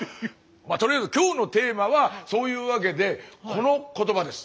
とりあえず今日のテーマはそういうわけでこの言葉です。